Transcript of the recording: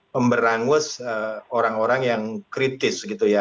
pemberangus orang orang yang kritis gitu ya